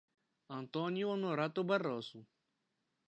Antônio Honorato Barroso